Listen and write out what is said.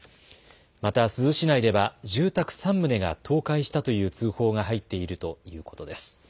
また珠洲市内では住宅３棟が倒壊したという通報が入っているということです。